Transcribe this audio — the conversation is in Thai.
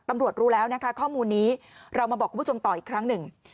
รู้แล้วนะคะข้อมูลนี้เรามาบอกคุณผู้ชมต่ออีกครั้งหนึ่ง